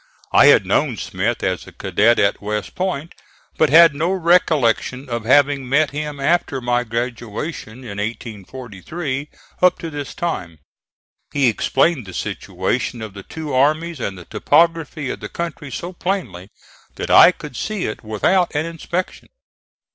I had known Smith as a cadet at West Point, but had no recollection of having met him after my graduation, in 1843, up to this time. He explained the situation of the two armies and the topography of the country so plainly that I could see it without an inspection.